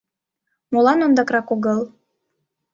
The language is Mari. «Молан ондакрак огыл?»